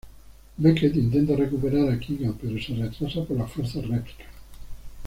Becket intenta recuperar a Keegan, pero se retrasa por las fuerzas Replicas.